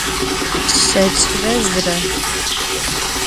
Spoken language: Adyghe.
Şeç'ıre zıre.